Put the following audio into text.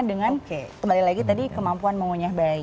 dengan kembali lagi tadi kemampuan mengunyah bayi